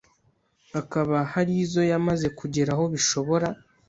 hakaba hari izo yamaze kugeraho bishobora